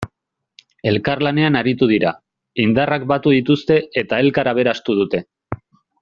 Elkarlanean aritu dira, indarrak batu dituzte eta elkar aberastu dute.